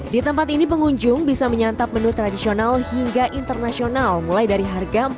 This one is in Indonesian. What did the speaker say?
di tempat ini pengunjung bisa menyantap menu tradisional hingga internasional mulai dari harga